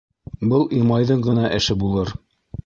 Был Имайҙың ғына эше булыр.